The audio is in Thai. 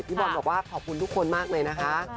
บอลบอกว่าขอบคุณทุกคนมากเลยนะคะ